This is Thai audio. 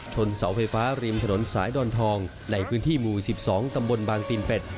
เสาไฟฟ้าริมถนนสายดอนทองในพื้นที่หมู่๑๒ตำบลบางตีนเป็ด